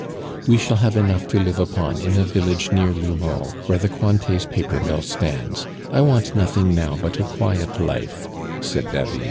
"We shall have enough to live upon in a village near L'Houmeau, where the Cointets' paper mill stands. I want nothing now but a quiet life," said David.